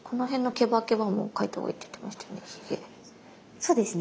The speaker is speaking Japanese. そうですね。